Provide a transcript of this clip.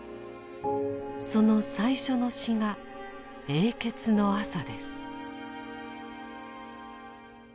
その最初の詩が「永訣の朝」です。